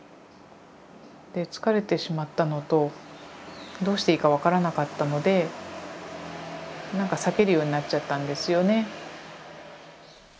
で疲れてしまったのとどうしていいか分からなかったのでなんか避けるようになっちゃったんですよね。